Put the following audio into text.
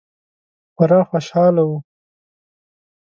خورا خوشحاله وه.